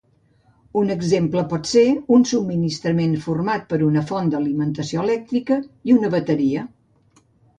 Un exemple pot ser un subministrament format per una font d'alimentació elèctrica i una bateria.